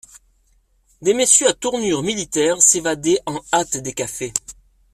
Des messieurs à tournure militaire s'évadaient en hâte des cafés.